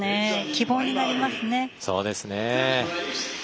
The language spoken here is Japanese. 希望になりますね。